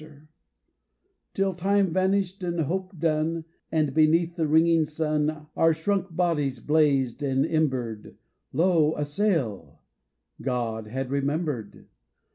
19 ADRIFT Till time vanished and hope done, And beneath the raging sun Our shrunk bodies blazed and embered, Lo 1 a sail : God had remembered